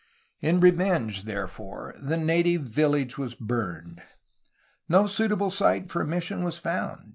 In revenge therefor the native village was burned. No suitable site for a mission was found.